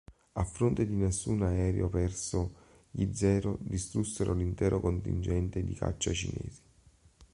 A fronte di nessun aereo perso, gli Zero distrussero l'intero contingente di caccia cinesi.